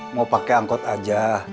mau pakai angkot aja